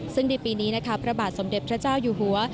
ซึ่งในปีนี้นะคะพระบาทสมเด็จพระเจ้าอยู่หัว